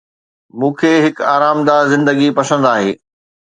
مون کي هڪ آرامده زندگي پسند آهي